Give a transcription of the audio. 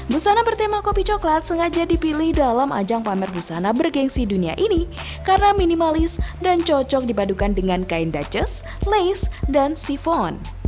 busana bertema kopi coklat sengaja dipilih dalam ajang pamer busana bergensi dunia ini karena minimalis dan cocok dipadukan dengan kain duches lace dan sifon